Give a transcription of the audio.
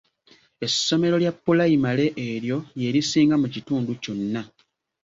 Essomero lya pulayimale eryo lye lisinga mu kitundu kyonna.